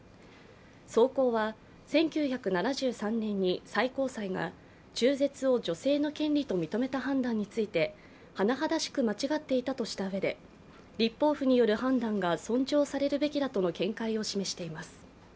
草稿は、１９７３年に最高裁が中絶を女性の権利と認めた判断について甚だしく間違っていたとしたうえで、立法府による判断が尊重されるべきだとの見解を示しています。